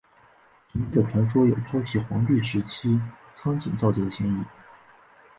神志的传说有抄袭黄帝时期仓颉造字的嫌疑。